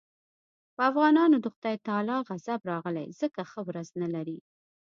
په افغانانو د خدای تعالی غضب راغلی ځکه ښه ورځ نه لري.